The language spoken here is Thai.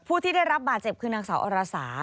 ผู้ที่ได้รับบาดเจ็บคือนางสาวอรสา